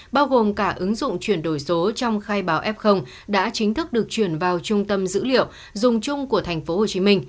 bao gồm cả ứng dụng chuyển đổi số trong khai báo f đã chính thức được chuyển vào trung tâm dữ liệu dùng chung của tp hcm